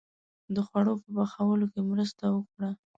• د خوړو په پخولو کې مرسته وکړه.